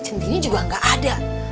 centini juga gak ada